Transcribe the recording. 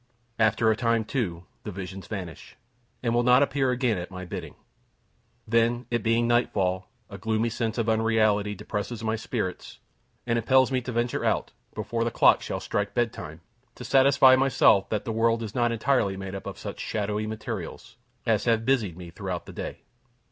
After a time, too, the visions vanish, and will not appear again at my bidding. Then, it being nightfall, a gloomy sense of unreality depresses my spirits, and impels me to venture out, before the clock shall strike bedtime, to satisfy myself that the world is not entirely made up of such shadowy materials, as have busied me throughout the day.